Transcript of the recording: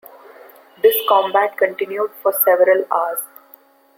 This combat continued for several hours.